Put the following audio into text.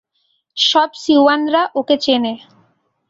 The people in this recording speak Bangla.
সব সিউয়ানরা ওকে চেনে।